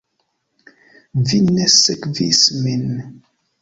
Vi ne sekvis min.